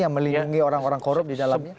yang melindungi orang orang korup di dalamnya